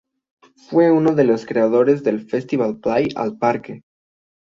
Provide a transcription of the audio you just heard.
Fue uno de los creadores del festival Play al parque.